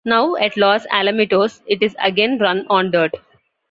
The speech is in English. Now at Los Alamitos, it is again run on dirt.